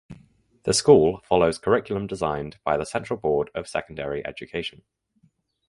The school follows curriculum designed by the Central Board of Secondary Education.